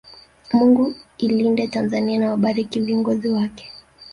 Mungu ilinde Tanzania na wabariki viongozi wake